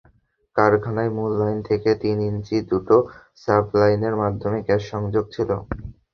কারখানায় মূল লাইন থেকে তিন ইঞ্চি দুটো সাবলাইনের মাধ্যমে গ্যাস সংযোগ ছিল।